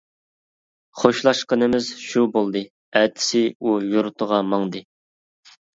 خوشلاشقىنىمىز شۇ بولدى، ئەتىسى ئۇ يۇرتىغا ماڭدى.